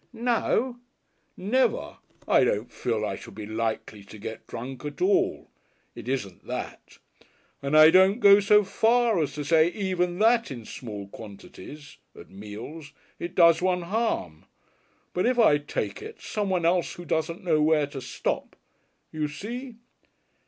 "No?" "Never. I don't feel I should be likely to get drunk at all it isn't that. And I don't go so far as to say even that in small quantities at meals it does one harm. But if I take it, someone else who doesn't know where to stop you see?"